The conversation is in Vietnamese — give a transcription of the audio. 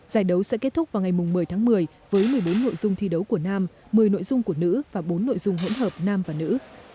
giải đấu sẽ kết thúc vào ngày một mươi tháng một mươi với một mươi bốn nội dung thi đấu của nam một mươi nội dung của nữ và bốn nội dung hỗn hợp nam và nữ